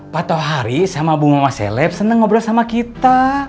pak tauri sama bu mama seleb seneng ngobrol sama kita